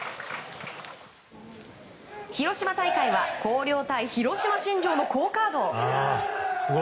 広島大会は広陵対広島新庄の好カード。